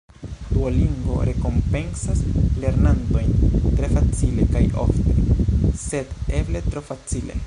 Duolingo rekompencas lernantojn tre facile kaj ofte, sed eble tro facile.